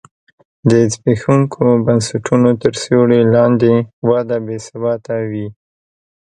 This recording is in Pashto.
د زبېښونکو بنسټونو تر سیوري لاندې وده بې ثباته وي.